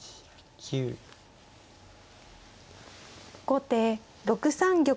後手６三玉。